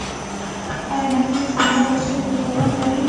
ایا نکریزې زما لاسونو ته تاوان لري؟